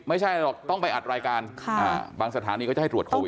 ไม่ใช่หรอกต้องไปอัดรายการบางสถานีก็จะให้ตรวจโควิด